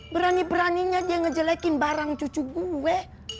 berani beraninya dia ngejelekin barang cucu gue